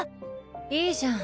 いいじゃん。